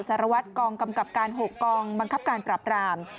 สารวัตรกองกำกับการ๖กองบังคับการปราบราม